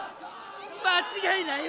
間違いないわ。